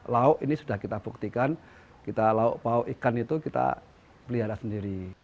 lauk ini sudah kita buktikan kita lauk pauk ikan itu kita pelihara sendiri